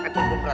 pecuk dung prap